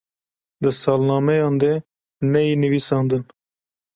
di salnemeyan de neyê nivisandin